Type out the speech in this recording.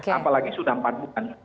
apalagi sudah empat bulan